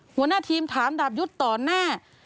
หัวหน้าทีมถามดาบยุทธ์ต่อหน้า